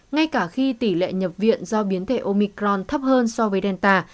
ngay cả khi tỷ lệ nhập viện do biến thể omicron thấp hơn so với delta